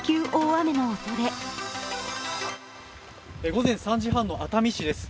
午前３時半の熱海市です。